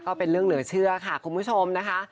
ก็เป็นเรื่องเหลือเชื่อค่ะคุณผู้ชมนะคะ